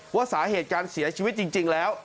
ว่าสาเหตุการเสียชีวิตจริงแล้ว